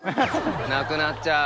なくなっちゃう。